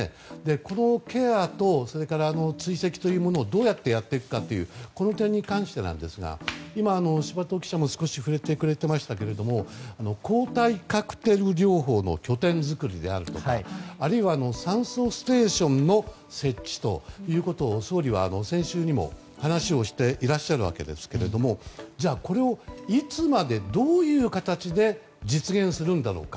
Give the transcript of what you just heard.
このケアと追跡というものをどうやってやっていくかというこの点に関してですが今、柴戸記者も少し触れてくれていましたが抗体カクテル療法の拠点づくりであるとかあるいは酸素ステーションの設置ということを総理は先週にも話をしていらっしゃるわけですがじゃあ、これをいつまでにどういう形で実現するんだろうか。